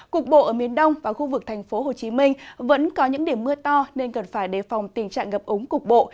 cục bộ ở miền đông và khu vực thành phố hồ chí minh vẫn có những điểm mưa to nên cần phải đề phòng tình trạng gặp ống cục bộ